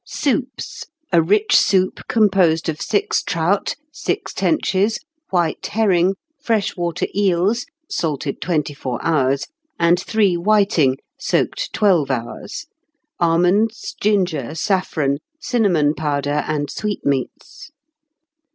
"Soups. A rich soup, composed of six trout, six tenches, white herring, freshwater eels, salted twenty four hours, and three whiting, soaked twelve hours; almonds, ginger, saffron, cinnamon powder and sweetmeats.